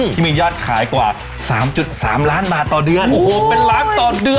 ที่มียอดขายกว่า๓๓ล้านบาทต่อเดือนโอ้โหเป็นล้านต่อเดือน